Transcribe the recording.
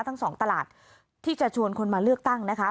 ทั้งสองตลาดที่จะชวนคนมาเลือกตั้งนะคะ